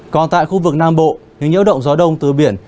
còn tại khu vực nam bộ những nhiễu động gió đông từ biển